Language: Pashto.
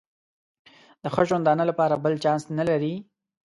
د ښه ژوندانه لپاره بل چانس نه لري.